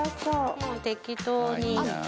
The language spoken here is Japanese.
もう適当に。